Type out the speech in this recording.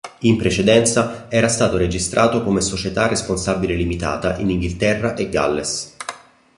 In precedenza era stato registrato come società a responsabilità limitata in Inghilterra e Galles.